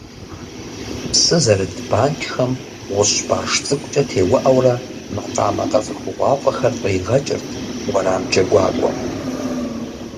Псы зэрыт банкӏхэм гъущӏ баш цӏыкӏукӏэ теуӏэурэ макъамэ къэцӏыхугъуафӏэхэр къригъэкӏырт уэрам джэгуакӏуэм.